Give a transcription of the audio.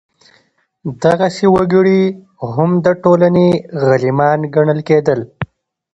دغسې وګړي هم د ټولنې غلیمان ګڼل کېدل.